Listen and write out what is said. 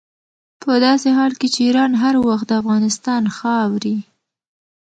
په داسې حال کې چې ایران هر وخت د افغانستان خاورې.